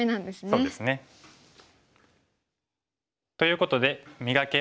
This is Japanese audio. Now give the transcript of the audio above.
そうですね。ということで「磨け！